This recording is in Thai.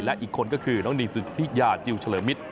และอีกคนก็คือน้องนีสุธิยาจิลเฉลิมมิตร